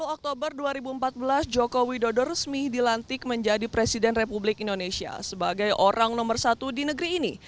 dua puluh oktober dua ribu empat belas joko widodo resmi dilantik menjadi presiden republik indonesia sebagai orang nomor satu di negeri ini